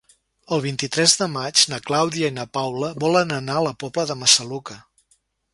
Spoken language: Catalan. El vint-i-tres de maig na Clàudia i na Paula volen anar a la Pobla de Massaluca.